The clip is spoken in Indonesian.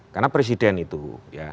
karena presiden itu ya